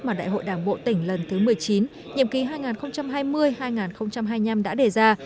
mà đại hội đảng bộ tỉnh lần thứ một mươi chín nhiệm ký hai nghìn hai mươi hai nghìn hai mươi năm đã đề ra